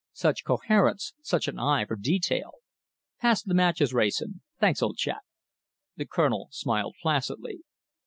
"Such coherence such an eye for detail. Pass the matches, Wrayson. Thanks, old chap!" The Colonel smiled placidly.